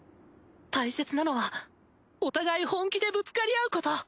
大切なのはお互い本気でぶつかり合うこと！